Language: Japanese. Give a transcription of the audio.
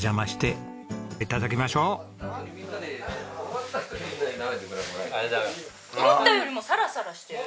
思ったよりもサラサラしてる。